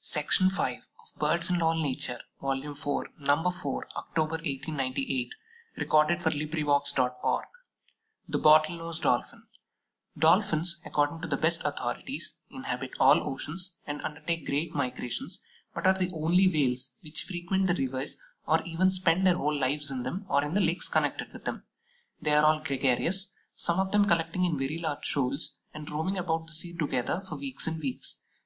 S. [Illustration: From col. Chi. Acad. Sciences. BOTTLE NOSE DOLPHIN. 1/7 Life size. Copyright by Nature Science Pub. Co., 1898, Chicago.] THE BOTTLE NOSE DOLPHIN. Dolphins, according to the best authorities, inhabit all oceans, and undertake great migrations, but are the only Whales which frequent the rivers or even spend their whole lives in them, or in the lakes connected with them. They are all gregarious, some of them collecting in very large shoals, and roaming about the sea together for weeks and weeks.